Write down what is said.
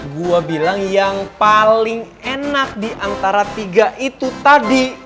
gue bilang yang paling enak diantara tiga itu tadi